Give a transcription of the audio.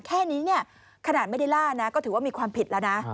แค่นี้เนี่ยขนาดไม่ได้ล่านะก็ถือว่ามีความผิดแล้วนะ